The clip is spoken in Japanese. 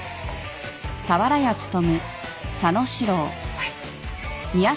はい！